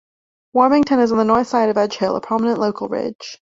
Warmington is on the northern side of Edge Hill, a prominent local ridge.